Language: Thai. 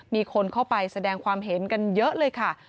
มีคนเข้าไปแสดงความเห็นกันเยอะเลยค่ะ